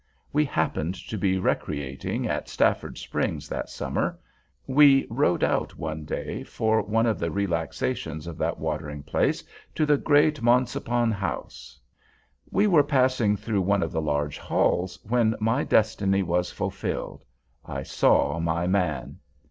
We happened to be recreating at Stafford Springs that summer. We rode out one day, for one of the relaxations of that watering place, to the great Monsonpon House. We were passing through one of the large halls, when my destiny was fulfilled! I saw my man!